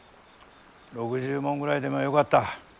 ６０文ぐらいでもよかった。